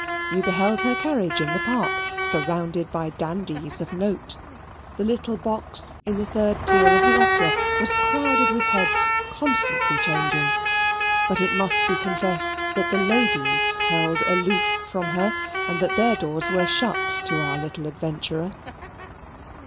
You beheld her carriage in the park, surrounded by dandies of note. The little box in the third tier of the opera was crowded with heads constantly changing; but it must be confessed that the ladies held aloof from her, and that their doors were shut to our little adventurer.